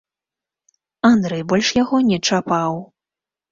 Андрэй больш яго не чапаў.